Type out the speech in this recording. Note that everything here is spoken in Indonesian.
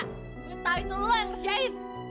gue tau itu lo yang ngerjain